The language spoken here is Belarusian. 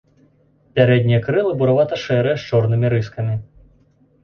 Пярэднія крылы буравата-шэрыя з чорнымі рыскамі.